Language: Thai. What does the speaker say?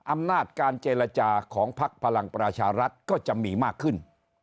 อำนาจการเจรจาของพักพลังประชารัฐก็จะมีมากขึ้น